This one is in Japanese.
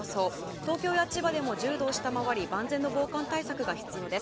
東京や千葉でも１０度を下回り万全の防寒対策が必要です。